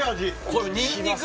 このにんにく！